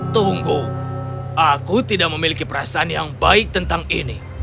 tunggu aku tidak memiliki perasaan yang baik tentang ini